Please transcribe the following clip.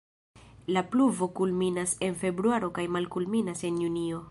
La pluvo kulminas en februaro kaj malkulminas en junio.